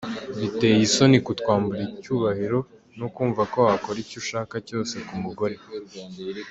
Biteye isoni kutwambura icyubahiro no kumva ko wakora icyo ushaka cyose ku mugore.